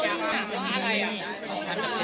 ยังไม่รู้เลยว่าอะไรดี